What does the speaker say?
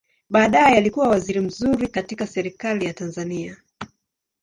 Baadaye alikua waziri mzuri katika Serikali ya Tanzania.